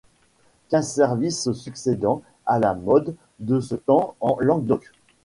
Quinze services se succédant, à la mode de ce temps en Languedoc.